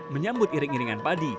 menyambut iring iringan padi